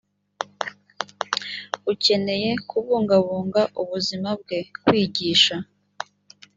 ukeneye kubungabunga ubuzima bwe kwigishwa